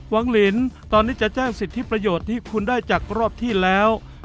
วังลินตอนนี้จะแจ้งสิทธิประโยชน์ที่คุณได้จากรอบที่แล้ว